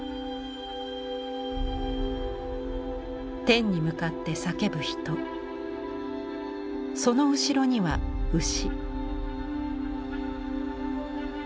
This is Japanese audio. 天に向かって叫ぶ人その後ろには牛。